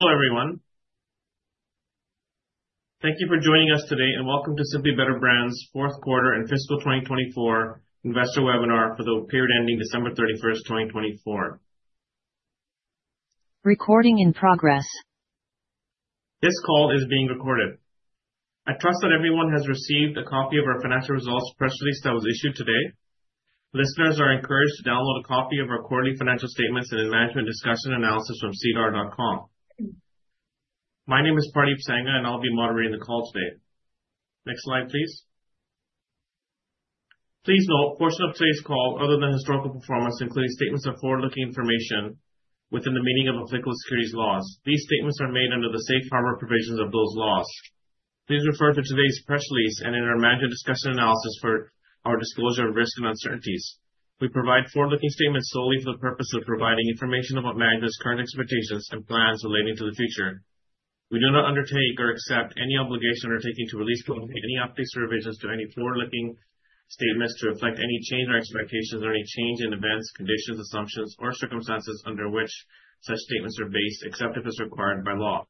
Hello, everyone. Thank you for joining us today, and welcome to Simply Better Brands' fourth quarter and fiscal 2024 investor webinar for the period ending December 31, 2024. Recording in progress. This call is being recorded. I trust that everyone has received a copy of our financial results press release that was issued today. Listeners are encouraged to download a copy of our quarterly financial statements and management discussion analysis from cdr.com. My name is Pardeep Sangha, and I'll be moderating the call today. Next slide, please. Please note, portion of today's call, other than historical performance, includes statements of forward-looking information within the meaning of applicable securities laws. These statements are made under the safe harbor provisions of those laws. Please refer to today's press release and in our management discussion analysis for our disclosure of risk and uncertainties. We provide forward-looking statements solely for the purpose of providing information about management's current expectations and plans relating to the future. We do not undertake or accept any obligation undertaking to release publicly any updates or revisions to any forward-looking statements to reflect any change in our expectations or any change in events, conditions, assumptions, or circumstances under which such statements are based, except if it's required by law.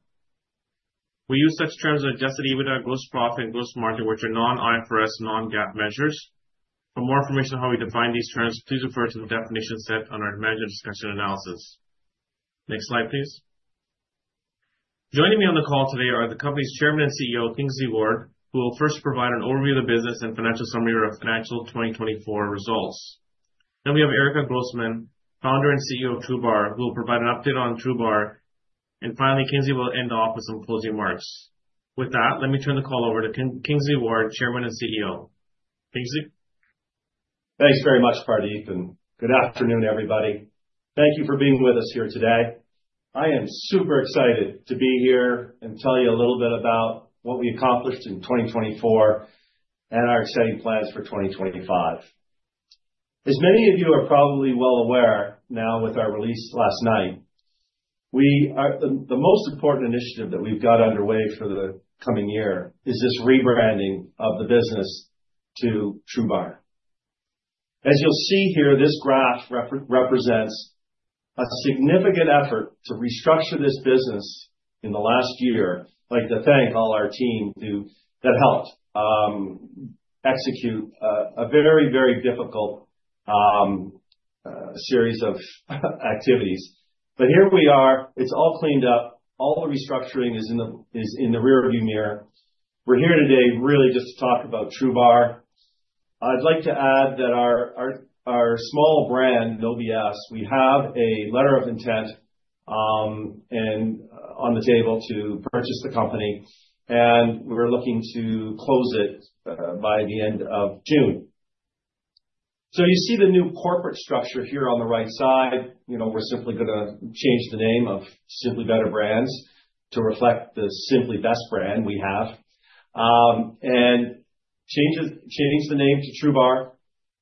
We use such terms in a desiccated, even at gross profit and gross margin, which are non-IFRS, non-GAAP measures. For more information on how we define these terms, please refer to the definition set on our management discussion analysis. Next slide, please. Joining me on the call today are the company's Chairman and CEO, Kingsley Ward, who will first provide an overview of the business and financial summary of our financial 2024 results. We have Erica Groussman, founder and CEO of TRUBAR, who will provide an update on TRUBAR. Finally, Kingsley will end off with some closing remarks. With that, let me turn the call over to Kingsley Ward, Chairman and CEO. Kingsley. Thanks very much, Pardeep, and good afternoon, everybody. Thank you for being with us here today. I am super excited to be here and tell you a little bit about what we accomplished in 2024 and our exciting plans for 2025. As many of you are probably well aware now with our release last night, the most important initiative that we've got underway for the coming year is this rebranding of the business to TRUBAR. As you'll see here, this graph represents a significant effort to restructure this business in the last year. I'd like to thank all our team that helped execute a very, very difficult series of activities. Here we are. It's all cleaned up. All the restructuring is in the rearview mirror. We're here today really just to talk about TRUBAR. I'd like to add that our small brand, Nobi S, we have a letter of intent on the table to purchase the company, and we're looking to close it by the end of June. You see the new corporate structure here on the right side. We're simply going to change the name of Simply Better Brands to reflect the Simply Best brand we have and change the name to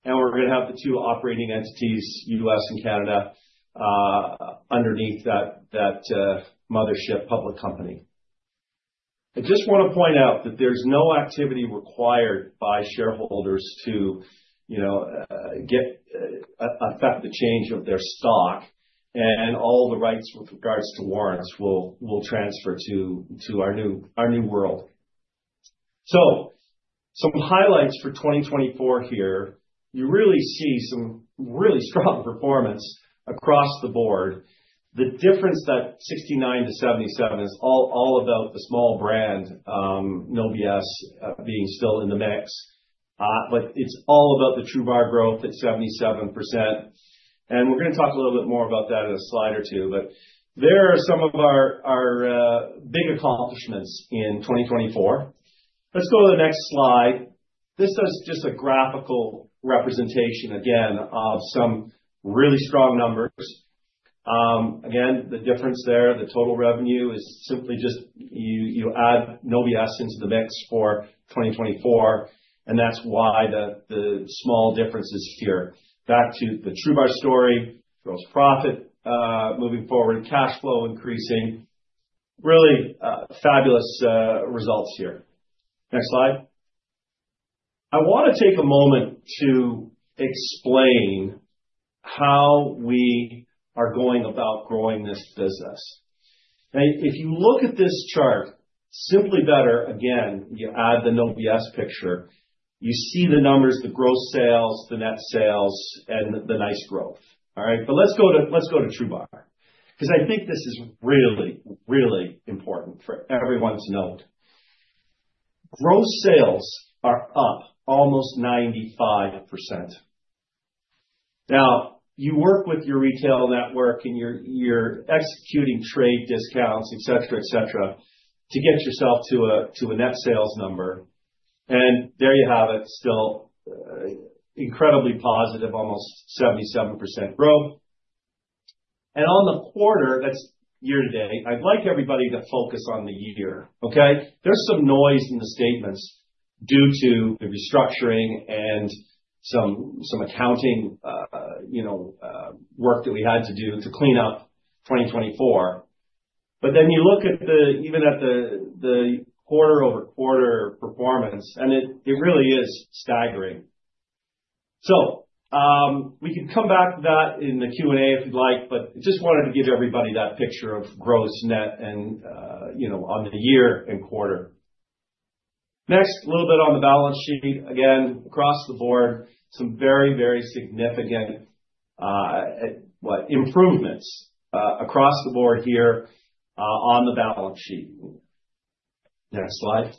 TRUBAR. We're going to have the two operating entities, US and Canada, underneath that mothership public company. I just want to point out that there's no activity required by shareholders to affect the change of their stock, and all the rights with regards to warrants will transfer to our new world. Some highlights for 2024 here. You really see some really strong performance across the board. The difference that 69 to 77 is all about the small brand, Nobi S, being still in the mix. It is all about the TRUBAR growth at 77%. We are going to talk a little bit more about that in a slide or two. There are some of our big accomplishments in 2024. Let's go to the next slide. This is just a graphical representation, again, of some really strong numbers. Again, the difference there, the total revenue is simply just you add Nobi S into the mix for 2024, and that is why the small difference is here. Back to the TRUBAR story, gross profit moving forward, cash flow increasing. Really fabulous results here. Next slide. I want to take a moment to explain how we are going about growing this business. If you look at this chart, Simply Better, again, you add the Nobi S picture, you see the numbers, the gross sales, the net sales, and the nice growth. All right. Let's go to TRUBAR because I think this is really, really important for everyone to note. Gross sales are up almost 95%. Now, you work with your retail network, and you're executing trade discounts, etc., etc., to get yourself to a net sales number. There you have it, still incredibly positive, almost 77% growth. On the quarter, that's year to date, I'd like everybody to focus on the year. Okay? There's some noise in the statements due to the restructuring and some accounting work that we had to do to clean up 2024. You look at the even at the quarter-over-quarter performance, and it really is staggering. We can come back to that in the Q&A if you'd like, but I just wanted to give everybody that picture of Gross, Net, and on the year and quarter. Next, a little bit on the Balance Sheet. Again, across the Board, some very, very significant improvements across the Board here on the Balance Sheet. Next slide.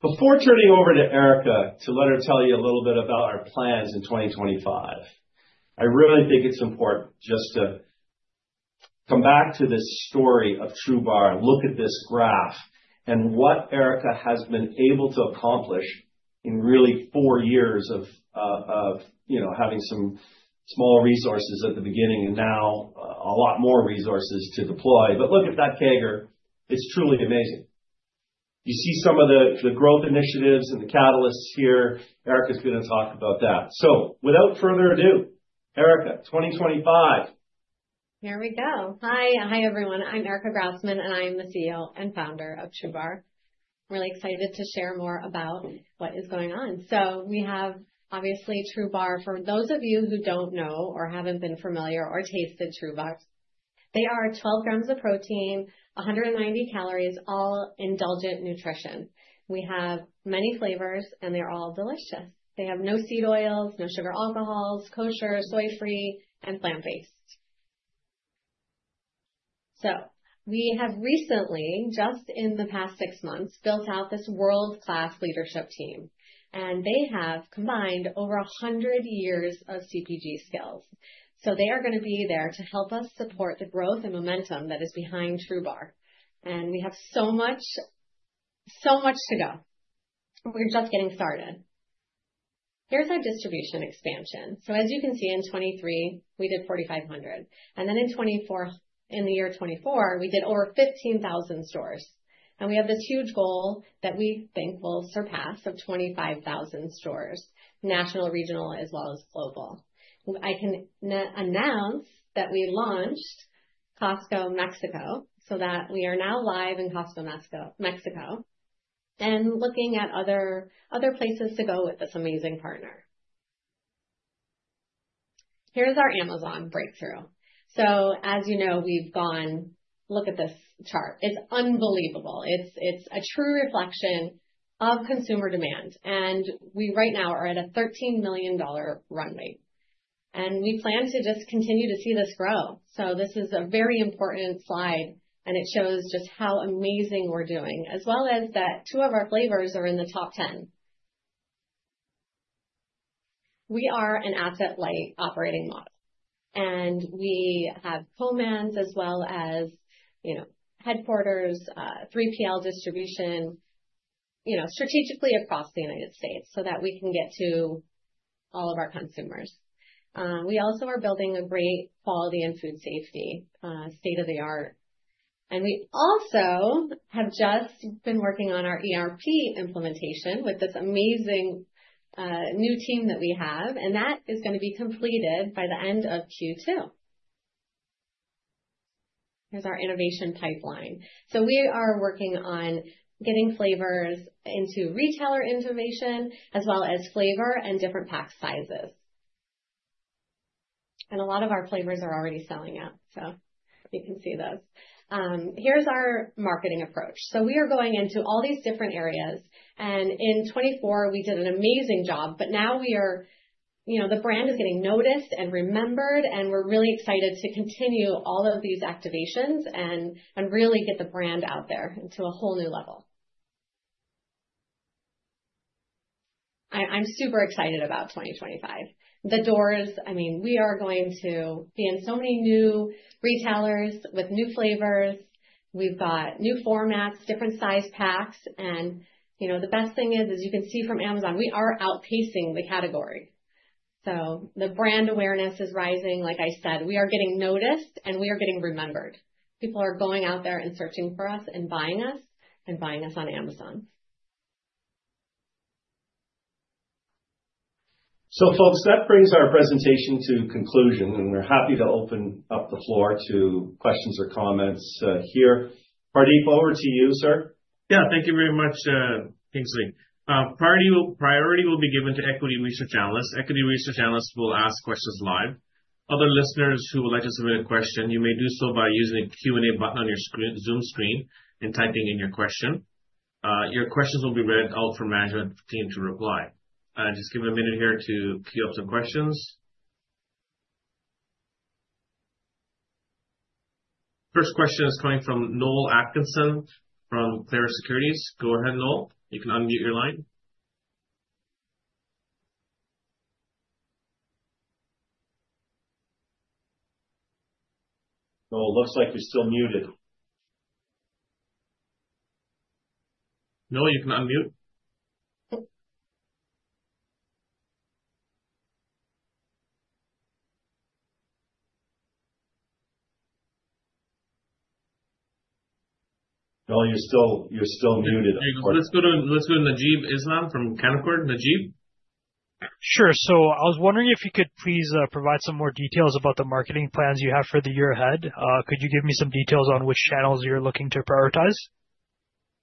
Before turning over to Erica to let her tell you a little bit about our plans in 2025, I really think it's important just to come back to this story of TRUBAR and look at this graph and what Erica has been able to accomplish in really four years of having some small resources at the beginning and now a lot more resources to deploy. Look at that CAGR. It's truly amazing. You see some of the growth initiatives and the catalysts here. Erica's going to talk about that. Without further ado, Erica, 2025. Here we go. Hi, everyone. I'm Erica Groussman, and I'm the CEO and founder of TRUBAR. I'm really excited to share more about what is going on. We have, obviously, TRUBAR. For those of you who don't know or haven't been familiar or tasted TRUBAR, they are 12 grams of protein, 190 calories, all indulgent nutrition. We have many flavors, and they're all delicious. They have no seed oils, no sugar alcohols, kosher, soy-free, and plant-based. We have recently, just in the past six months, built out this world-class leadership team, and they have combined over 100 years of CPG skills. They are going to be there to help us support the growth and momentum that is behind TRUBAR. We have so much to go. We're just getting started. Here's our distribution expansion. As you can see, in 2023, we did 4,500. In the year 2024, we did over 15,000 stores. We have this huge goal that we think will surpass of 25,000 stores, national, regional, as well as global. I can announce that we launched Costco, Mexico, so that we are now live in Costco, Mexico, and looking at other places to go with this amazing partner. Here is our Amazon breakthrough. As you know, we've gone look at this chart. It's unbelievable. It's a true reflection of consumer demand. We right now are at a $13 million runway. We plan to just continue to see this grow. This is a very important slide, and it shows just how amazing we're doing, as well as that two of our flavors are in the top 10. We are an asset-light operating model, and we have co-managed as well as headquarters, 3PL distribution, strategically across the United States so that we can get to all of our consumers. We also are building a great quality and food safety state-of-the-art. We also have just been working on our ERP implementation with this amazing new team that we have, and that is going to be completed by the end of Q2. Here is our innovation pipeline. We are working on getting flavors into retailer innovation as well as flavor and different pack sizes. A lot of our flavors are already selling out, you can see this. Here is our marketing approach. We are going into all these different areas. In 2024, we did an amazing job, but now the brand is getting noticed and remembered, and we're really excited to continue all of these activations and really get the brand out there into a whole new level. I'm super excited about 2025. The doors, I mean, we are going to be in so many new retailers with new flavors. We've got new formats, different size packs. The best thing is, as you can see from Amazon, we are outpacing the category. The brand awareness is rising. Like I said, we are getting noticed, and we are getting remembered. People are going out there and searching for us and buying us and buying us on Amazon. That brings our presentation to conclusion, and we're happy to open up the floor to questions or comments here. Pardeep, over to you, sir. Yeah, thank you very much, Kingsley. Priority will be given to equity research analysts. Equity research analysts will ask questions live. Other listeners who would like to submit a question, you may do so by using the Q&A button on your Zoom screen and typing in your question. Your questions will be read out for management team to reply. Just give me a minute here to queue up some questions. First question is coming from Noel Atkinson from Clara Securities. Go ahead, Noel. You can unmute your line. Noel, looks like you're still muted. Noel, you can unmute. Noel, you're still muted. Let's go to Najib Islam from Canaccord, Najib. Sure. I was wondering if you could please provide some more details about the marketing plans you have for the year ahead. Could you give me some details on which channels you're looking to prioritize?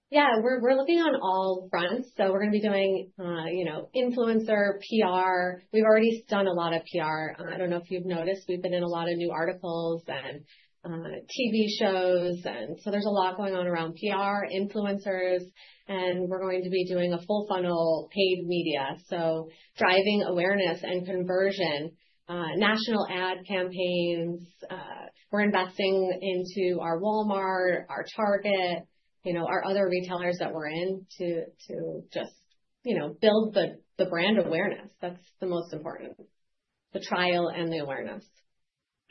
Yeah. We're looking on all fronts. We're going to be doing influencer PR. We've already done a lot of PR. I don't know if you've noticed. We've been in a lot of new articles and TV shows. There's a lot going on around PR, influencers, and we're going to be doing a full funnel paid media. Driving awareness and conversion, national ad campaigns. We're investing into our Walmart, our Target, our other retailers that we're in to just build the brand awareness. That's the most important, the trial and the awareness.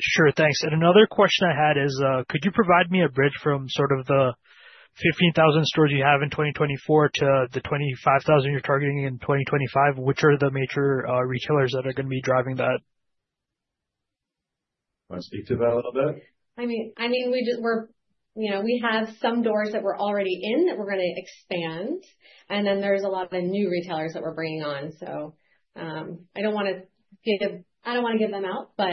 Sure. Thanks. Another question I had is, could you provide me a bridge from sort of the 15,000 stores you have in 2024 to the 25,000 you are targeting in 2025? Which are the major retailers that are going to be driving that? Want to speak to that a little bit? I mean, we have some doors that we're already in that we're going to expand. There are a lot of new retailers that we're bringing on. I don't want to give them out, but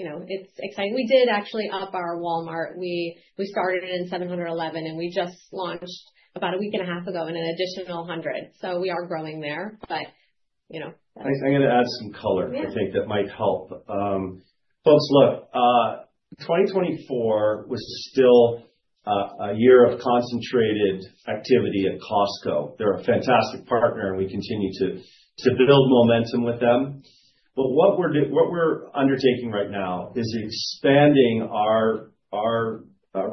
it's exciting. We did actually up our Walmart. We started in 711, and we just launched about a week and a half ago in an additional 100. We are growing there. I got to add some color, I think, that might help. Folks, look, 2024 was still a year of concentrated activity at Costco. They're a fantastic partner, and we continue to build momentum with them. What we're undertaking right now is expanding our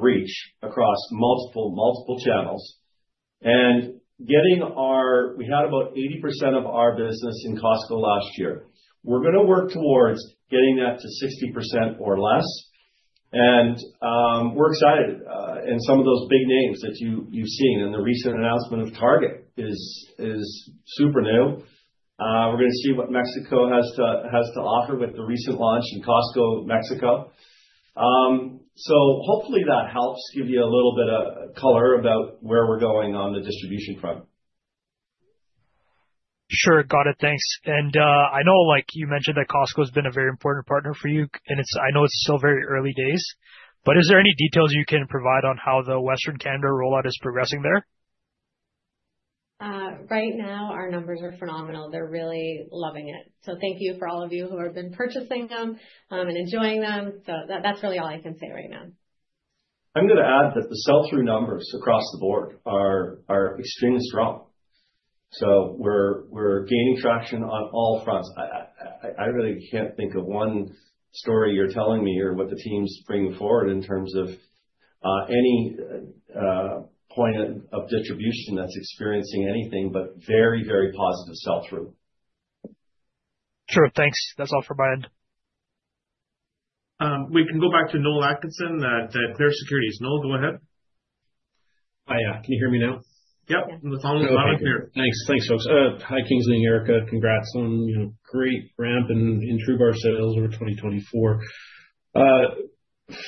reach across multiple channels and getting our—we had about 80% of our business in Costco last year. We're going to work towards getting that to 60% or less. We're excited. Some of those big names that you've seen and the recent announcement of Target is super new. We're going to see what Mexico has to offer with the recent launch in Costco, Mexico. Hopefully that helps give you a little bit of color about where we're going on the distribution front. Sure. Got it. Thanks. I know you mentioned that Costco has been a very important partner for you, and I know it's still very early days. Is there any details you can provide on how the Western Canada rollout is progressing there? Right now, our numbers are phenomenal. They're really loving it. Thank you for all of you who have been purchasing them and enjoying them. That's really all I can say right now. I'm going to add that the sell-through numbers across the board are extremely strong. We're gaining traction on all fronts. I really can't think of one story you're telling me or what the team's bringing forward in terms of any point of distribution that's experiencing anything but very, very positive sell-through. Sure. Thanks. That's all for my end. We can go back to Noel Atkinson at Clara Securities. Noel, go ahead. Hi, yeah. Can you hear me now? Yep. The phone is loud and clear. Thanks. Thanks, folks. Hi, Kingsley and Erica. Congrats on great ramp in TRUBAR sales over 2024.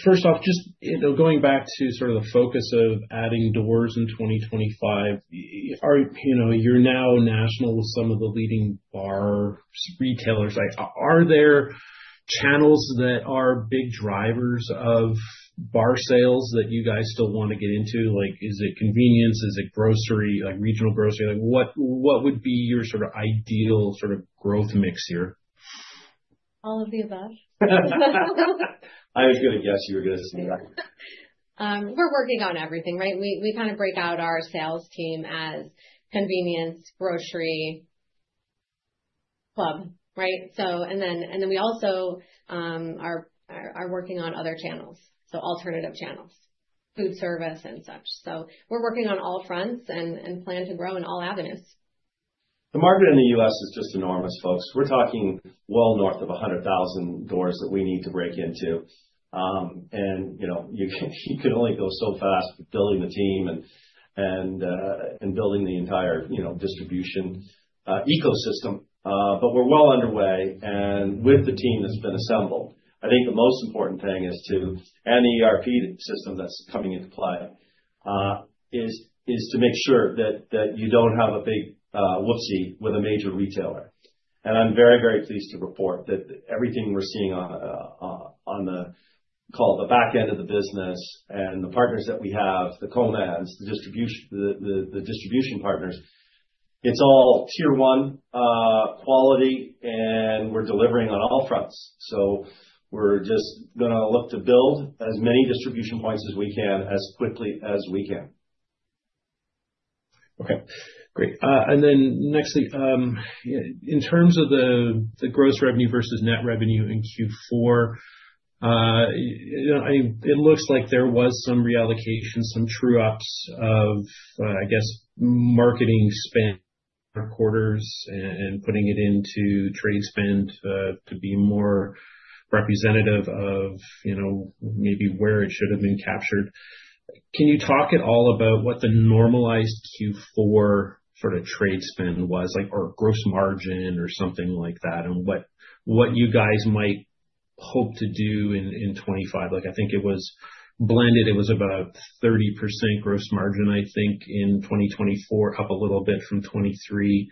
First off, just going back to sort of the focus of adding doors in 2025, you're now national with some of the leading bar retailers. Are there channels that are big drivers of bar sales that you guys still want to get into? Is it convenience? Is it grocery, regional grocery? What would be your sort of ideal sort of growth mix here? All of the above. I was going to guess you were going to say that. We're working on everything, right? We kind of break out our sales team as convenience, grocery, club, right? We also are working on other channels, so alternative channels, food service and such. We're working on all fronts and plan to grow in all avenues. The market in the U.S. is just enormous, folks. We're talking well north of 100,000 doors that we need to break into. You can only go so fast building the team and building the entire distribution ecosystem. We're well underway. With the team that's been assembled, I think the most important thing is to, and the ERP system that's coming into play, make sure that you do not have a big whoopsie with a major retailer. I'm very, very pleased to report that everything we're seeing on the back end of the business and the partners that we have, the co-managed, the distribution partners, it's all tier-one quality, and we're delivering on all fronts. We're just going to look to build as many distribution points as we can as quickly as we can. Okay. Great. Next, in terms of the gross revenue versus net revenue in Q4, it looks like there was some reallocation, some true-ups of, I guess, marketing spend quarters and putting it into trade spend to be more representative of maybe where it should have been captured. Can you talk at all about what the normalized Q4 sort of trade spend was or gross margin or something like that and what you guys might hope to do in 2025? I think it was blended. It was about 30% gross margin, I think, in 2024, up a little bit from 2023.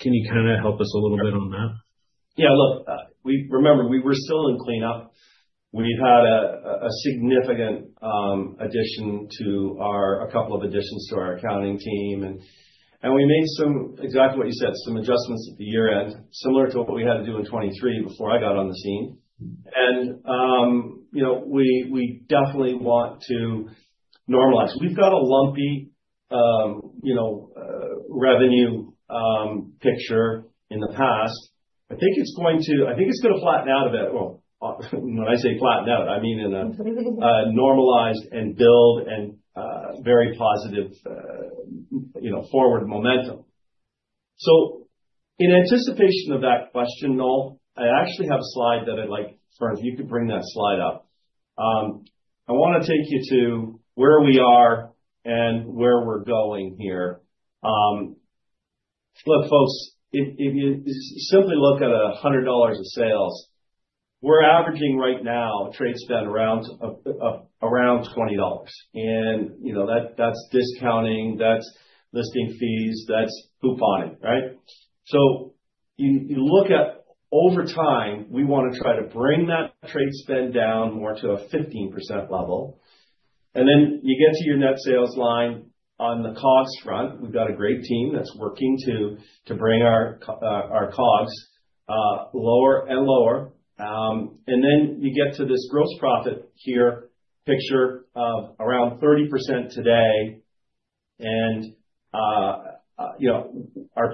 Can you kind of help us a little bit on that? Yeah. Look, remember, we were still in cleanup. We've had a significant addition to our, a couple of additions to our accounting team. And we made some, exactly what you said, some adjustments at the year-end, similar to what we had to do in 2023 before I got on the scene. And we definitely want to normalize. We've got a lumpy revenue picture in the past. I think it's going to, I think it's going to flatten out a bit. When I say flatten out, I mean in a normalized and build and very positive forward momentum. In anticipation of that question, Noel, I actually have a slide that I'd like for, if you could bring that slide up. I want to take you to where we are and where we're going here. Look, folks, if you simply look at $100 of sales, we're averaging right now trade spend around $20. That's discounting. That's listing fees. That's couponing, right? You look at over time, we want to try to bring that trade spend down more to a 15% level. You get to your net sales line. On the COGS front, we've got a great team that's working to bring our COGS lower and lower. You get to this gross profit picture of around 30% today. Our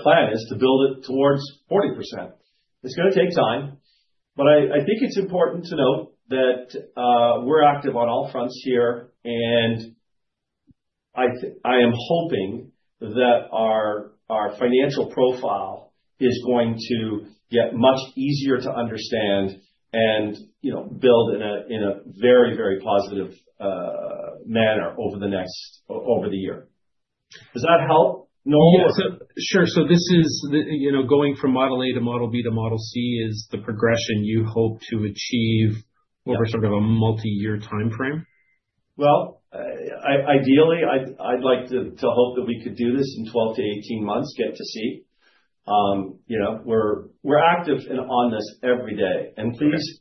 plan is to build it towards 40%. It's going to take time. I think it's important to note that we're active on all fronts here. I am hoping that our financial profile is going to get much easier to understand and build in a very, very positive manner over the year. Does that help, Noel? Yeah. Sure. Is this going from model A to model B to model C the progression you hope to achieve over sort of a multi-year timeframe? Ideally, I'd like to hope that we could do this in 12-18 months, get to see. We're active and on this every day. Please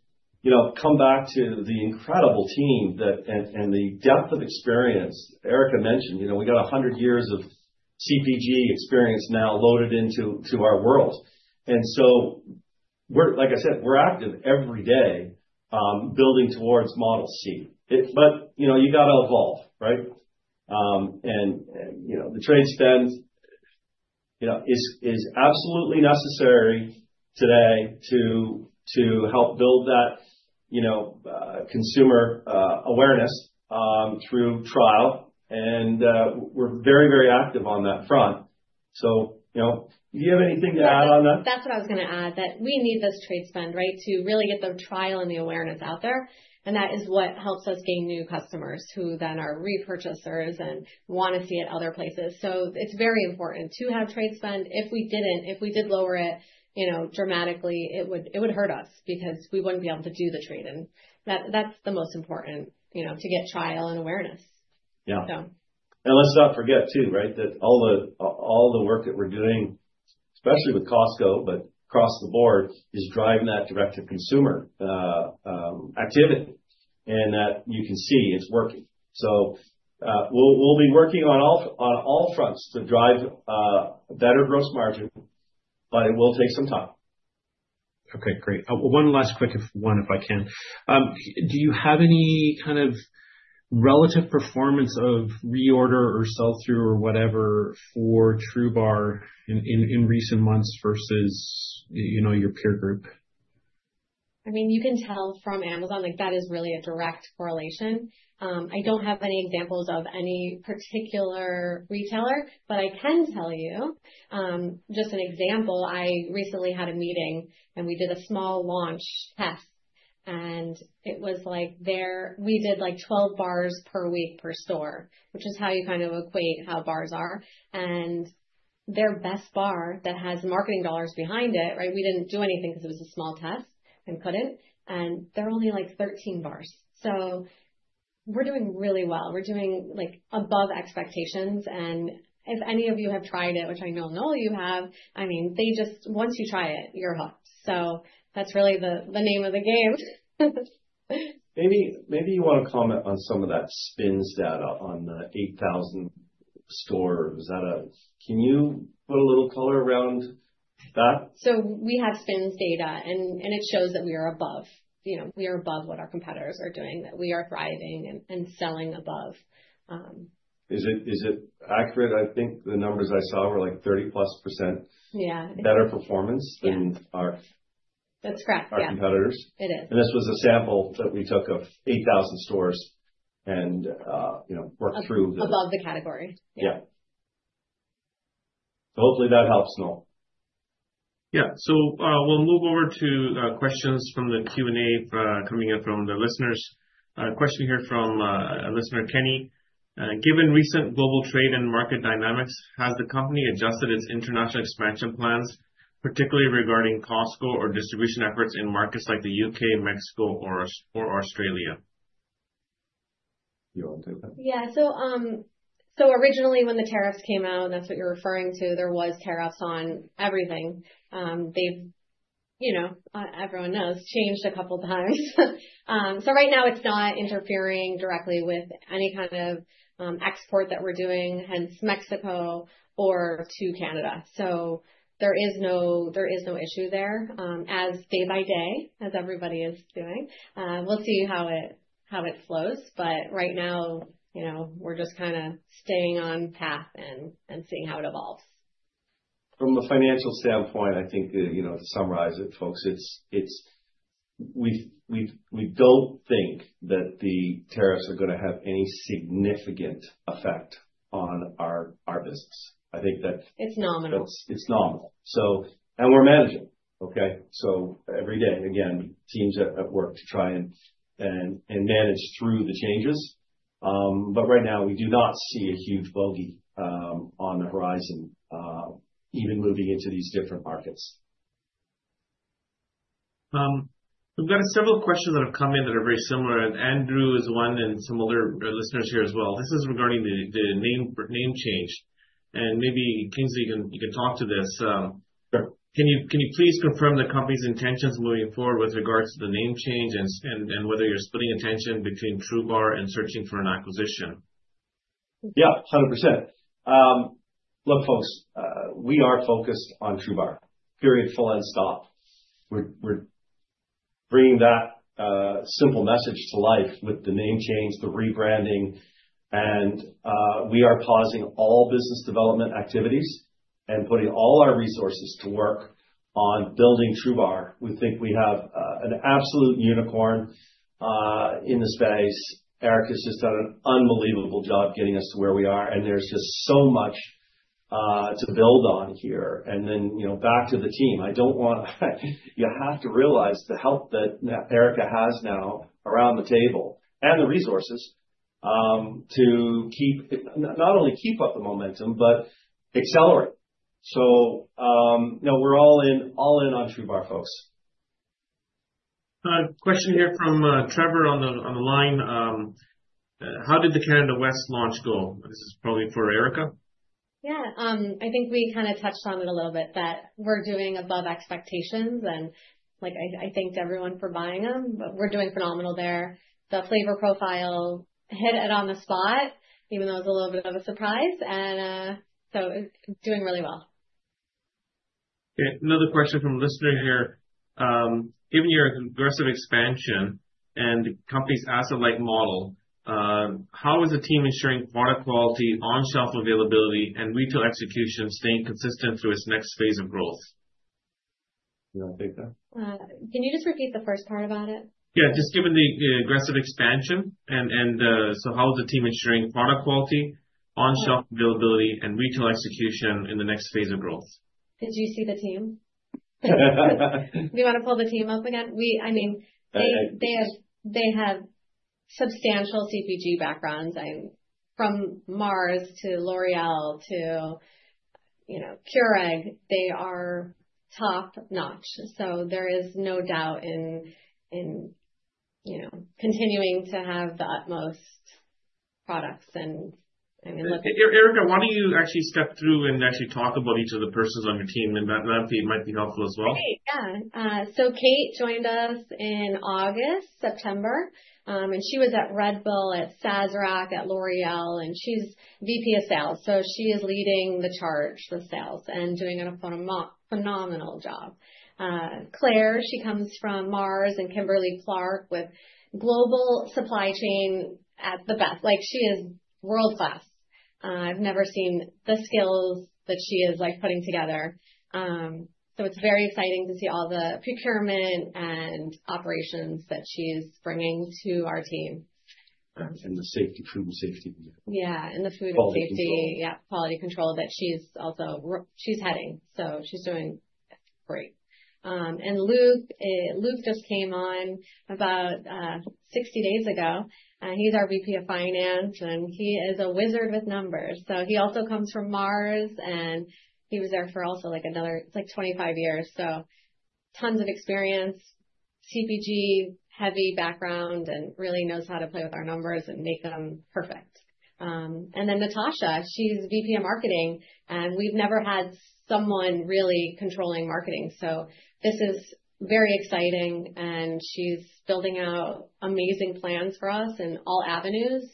come back to the incredible team and the depth of experience. Erica mentioned we got 100 years of CPG experience now loaded into our world. Like I said, we're active every day building towards model C. You got to evolve, right? The trade spend is absolutely necessary today to help build that consumer awareness through trial. We're very, very active on that front. Do you have anything to add on that? That's what I was going to add, that we need this trade spend, right, to really get the trial and the awareness out there. That is what helps us gain new customers who then are repurchasers and want to see it other places. It is very important to have trade spend. If we did lower it dramatically, it would hurt us because we would not be able to do the trade. That is the most important to get trial and awareness. Let us not forget too, right, that all the work that we are doing, especially with Costco, but across the board, is driving that Direct-to-Consumer activity and that you can see it is working. We will be working on all fronts to drive better Gross Margin, but it will take some time. Okay. Great. One last quick one, if I can. Do you have any kind of relative performance of reorder or sell-through or whatever for TRUBAR in recent months versus your peer group? I mean, you can tell from Amazon that that is really a direct correlation. I don't have any examples of any particular retailer, but I can tell you just an example. I recently had a meeting, and we did a small launch test. It was like we did like 12 bars per week per store, which is how you kind of equate how bars are. Their best bar that has marketing dollars behind it, right, we didn't do anything because it was a small test and couldn't. They're only like 13 bars. We are doing really well. We are doing above expectations. If any of you have tried it, which I know Noel you have, I mean, once you try it, you're hooked. That is really the name of the game. Maybe you want to comment on some of that SPINS data on the 8,000 stores. Can you put a little color around that? We have SPINS data, and it shows that we are above. We are above what our competitors are doing, that we are thriving and selling above. Is it accurate? I think the numbers I saw were like +30% better performance than our competitors. That's correct. Yeah. It is. This was a sample that we took of 8,000 stores and worked through. Above the category. Yeah. Hopefully that helps, Noel. Yeah. So we'll move over to questions from the Q&A coming in from the listeners. Question here from listener Kenny. Given recent global trade and market dynamics, has the company adjusted its international expansion plans, particularly regarding Costco or distribution efforts in markets like the U.K., Mexico, or Australia? You want to take that? Yeah. Originally, when the tariffs came out, and that's what you're referring to, there were tariffs on everything. Everyone knows it changed a couple of times. Right now, it's not interfering directly with any kind of export that we're doing, hence Mexico or to Canada. There is no issue there day by day as everybody is doing. We'll see how it flows. Right now, we're just kind of staying on path and seeing how it evolves. From a financial standpoint, I think to summarize it, folks, we do not think that the tariffs are going to have any significant effect on our business. I think that. It's nominal. It's nominal. We're managing, okay? Every day, again, teams at work to try and manage through the changes. Right now, we do not see a huge bogey on the horizon, even moving into these different markets. We've got several questions that have come in that are very similar. Andrew is one and some other listeners here as well. This is regarding the name change. Maybe Kingsley, you can talk to this. Can you please confirm the company's intentions moving forward with regards to the name change and whether you're splitting attention between TRUBAR and searching for an acquisition? Yeah, 100%. Look, folks, we are focused on TRUBAR. Period. Full end. Stop. We're bringing that simple message to life with the name change, the rebranding. We are pausing all business development activities and putting all our resources to work on building TRUBAR. We think we have an absolute unicorn in the space. Erica's just done an unbelievable job getting us to where we are. There's just so much to build on here. Back to the team. You have to realize the help that Erica has now around the table and the resources to not only keep up the momentum, but accelerate. We're all in on TRUBAR, folks. Question here from Trevor on the line. How did the Canada West launch go? This is probably for Erica. Yeah. I think we kind of touched on it a little bit, that we're doing above expectations. I thanked everyone for buying them. We're doing phenomenal there. The flavor profile hit it on the spot, even though it was a little bit of a surprise. We're doing really well. Okay. Another question from a listener here. Given your aggressive expansion and the company's asset-light model, how is the team ensuring product quality, on-shelf availability, and retail execution staying consistent through its next phase of growth? Can you just repeat the first part about it? Yeah. Just given the aggressive expansion. How is the team ensuring product quality, on-shelf availability, and retail execution in the next phase of growth? Did you see the team? Do you want to pull the team up again? I mean, they have substantial CPG backgrounds. From Mars to L'Oreal to Keurig, they are top-notch. There is no doubt in continuing to have the utmost products. I mean, look at. Erica, why don't you actually step through and actually talk about each of the persons on your team? That might be helpful as well. Okay. Yeah. Kate joined us in August, September. She was at Red Bull, at Sazerac, at L'Oreal. She is VP of Sales. She is leading the charge for sales and doing a phenomenal job. Claire, she comes from Mars and Kimberly-Clark with global supply chain at the best. She is world-class. I've never seen the skills that she is putting together. It is very exciting to see all the procurement and operations that she is bringing to our team. The safety, food and safety. Yeah. And the food and safety. Quality control. Yeah. Quality control that she's heading. She's doing great. Luke just came on about 60 days ago. He's our VP of Finance. He is a wizard with numbers. He also comes from Mars. He was there for also like another, it's like 25 years. Tons of experience, CPG-heavy background, and really knows how to play with our numbers and make them perfect. Natasha, she's VP of Marketing. We've never had someone really controlling marketing. This is very exciting. She's building out amazing plans for us in all avenues.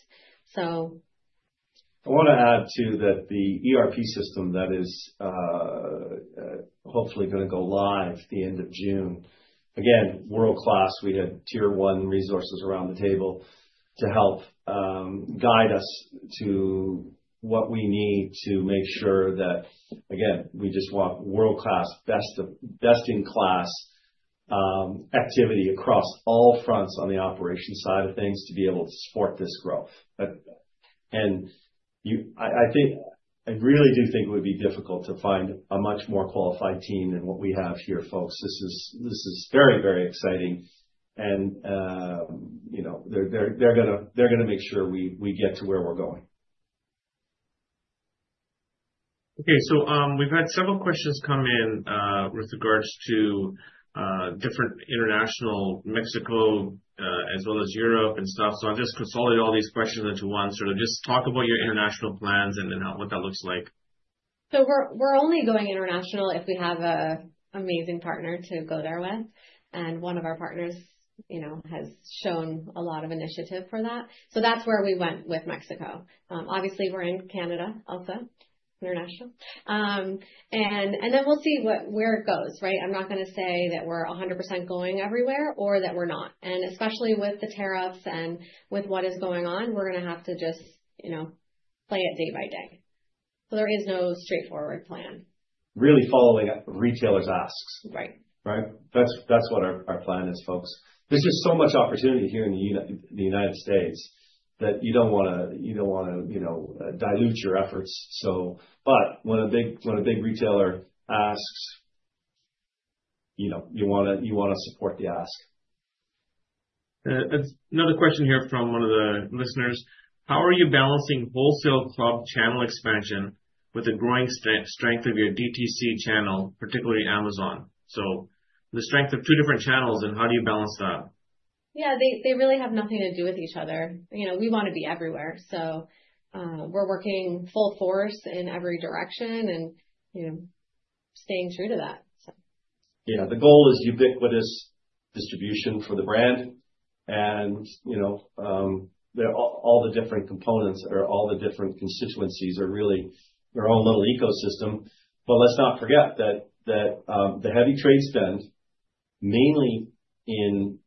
I want to add too that the ERP system that is hopefully going to go live at the end of June, again, world-class. We had tier-one resources around the table to help guide us to what we need to make sure that, again, we just want world-class, best-in-class activity across all fronts on the operations side of things to be able to support this growth. I really do think it would be difficult to find a much more qualified team than what we have here, folks. This is very, very exciting. They're going to make sure we get to where we're going. Okay. We have had several questions come in with regards to different international, Mexico as well as Europe and stuff. I will just consolidate all these questions into one. Just talk about your international plans and what that looks like. We're only going international if we have an amazing partner to go there with. One of our partners has shown a lot of initiative for that. That's where we went with Mexico. Obviously, we're in Canada also, international. We'll see where it goes, right? I'm not going to say that we're 100% going everywhere or that we're not. Especially with the tariffs and with what is going on, we're going to have to just play it day by day. There is no straightforward plan. Really following retailers' asks. Right. Right? That's what our plan is, folks. There is just so much opportunity here in the United States that you do not want to dilute your efforts. When a big retailer asks, you want to support the ask. Another question here from one of the listeners. How are you balancing wholesale club channel expansion with the growing strength of your DTC channel, particularly Amazon? The strength of two different channels, and how do you balance that? Yeah. They really have nothing to do with each other. We want to be everywhere. We are working full force in every direction and staying true to that. Yeah. The goal is ubiquitous distribution for the brand. All the different components or all the different constituencies are really their own little ecosystem. Let's not forget that the heavy trade spend, mainly in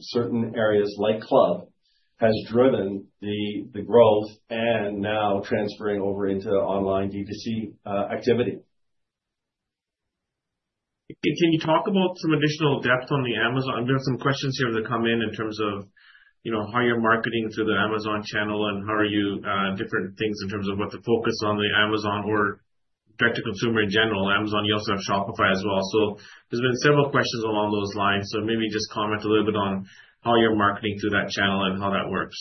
certain areas like club, has driven the growth and now transferring over into online DTC activity. Can you talk about some additional depth on the Amazon? I've got some questions here that come in in terms of how you're marketing through the Amazon channel and how are you different things in terms of what to focus on the Amazon or Direct-to-Consumer in general. Amazon, you also have Shopify as well. There have been several questions along those lines. Maybe just comment a little bit on how you're marketing through that channel and how that works.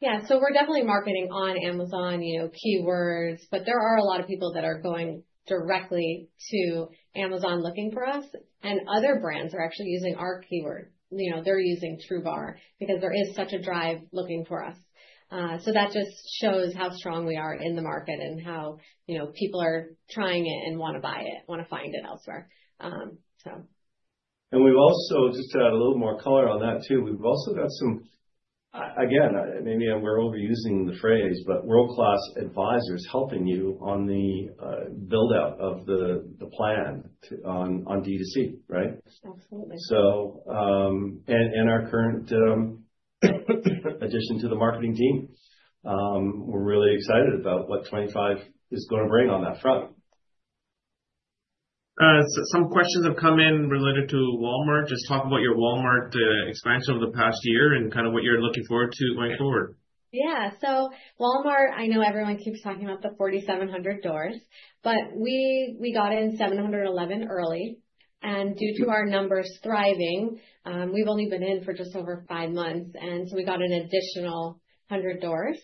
Yeah. We are definitely marketing on Amazon keywords. There are a lot of people that are going directly to Amazon looking for us. Other brands are actually using our keyword. They are using TRUBAR because there is such a drive looking for us. That just shows how strong we are in the market and how people are trying it and want to buy it, want to find it elsewhere. We have also, just to add a little more color on that too, we have also got some, again, maybe we are overusing the phrase, but world-class advisors helping you on the build-out of the plan on DTC, right? Absolutely. Our current addition to the marketing team. We're really excited about what 2025 is going to bring on that front. Some questions have come in related to Walmart. Just talk about your Walmart expansion over the past year and kind of what you're looking forward to going forward. Yeah. Walmart, I know everyone keeps talking about the 4,700 doors. We got in 711 early. Due to our numbers thriving, we've only been in for just over five months. We got an additional 100 doors.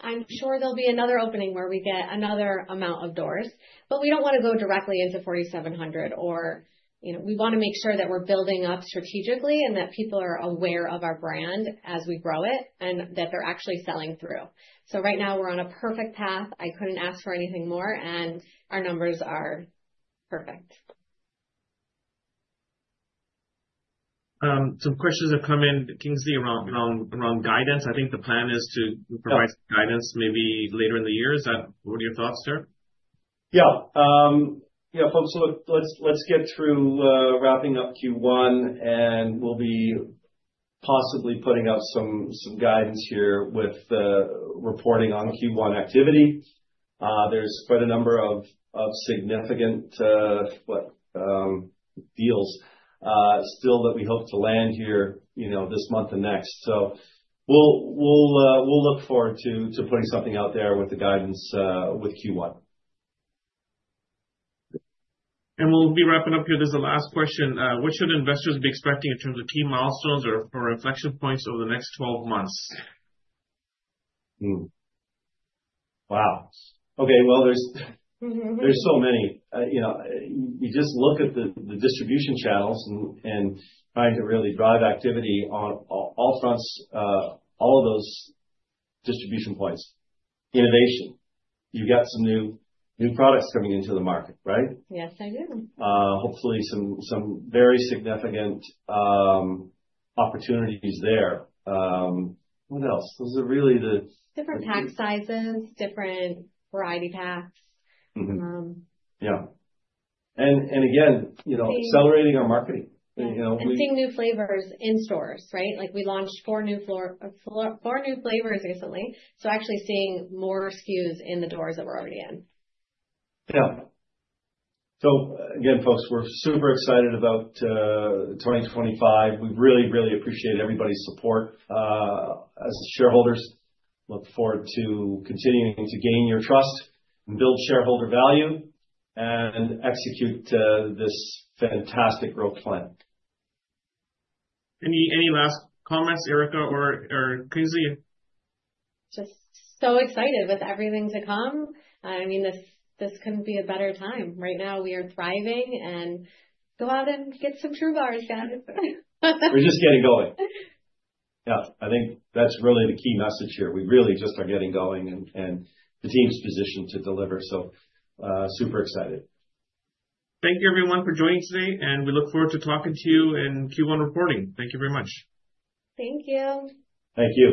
I'm sure there will be another opening where we get another amount of doors. We do not want to go directly into 4,700. We want to make sure that we're building up strategically and that people are aware of our brand as we grow it and that they're actually selling through. Right now, we're on a perfect path. I could not ask for anything more. Our numbers are perfect. Some questions have come in. Kingsley, around guidance. I think the plan is to provide some guidance maybe later in the year. What are your thoughts, sir? Yeah. Folks, let's get through wrapping up Q1. And we'll be possibly putting out some guidance here with reporting on Q1 activity. There's quite a number of significant deals still that we hope to land here this month and next. So we'll look forward to putting something out there with the guidance with Q1. We will be wrapping up here. This is the last question. What should investors be expecting in terms of key milestones or reflection points over the next 12 months? Wow. Okay. There are so many. You just look at the distribution channels and trying to really drive activity on all fronts, all of those distribution points. Innovation. You have some new products coming into the market, right? Yes, I do. Hopefully, some very significant opportunities there. What else? Those are really the. Different pack sizes, different variety packs. Yeah. Again, accelerating our marketing. Seeing new flavors in stores, right? We launched four new flavors recently. So actually seeing more SKUs in the doors that we're already in. Yeah. Again, folks, we're super excited about 2025. We really, really appreciate everybody's support as shareholders. Look forward to continuing to gain your trust and build shareholder value and execute this fantastic growth plan. Any last comments, Erica or Kingsley? Just so excited with everything to come. I mean, this could not be a better time. Right now, we are thriving. Go out and get some TRUBARs, guys. We're just getting going. Yeah, I think that's really the key message here. We really just are getting going and the team's position to deliver. Super excited. Thank you, everyone, for joining today. We look forward to talking to you in Q1 reporting. Thank you very much. Thank you. Thank you.